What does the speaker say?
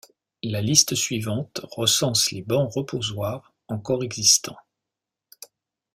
La liste suivante recense les bancs-reposoirs encore existants.